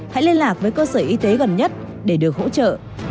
hãy liên lạc với cơ sở y tế gần nhất để được hỗ trợ